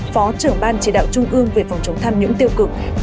phó trưởng ban chỉ đạo trung ương về phòng chống tham nhũng tiêu cực